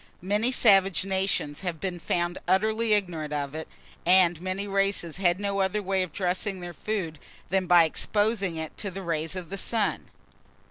Many savage nations have been found utterly ignorant of it, and many races had no other way of dressing their food than by exposing it to the rays of the sun.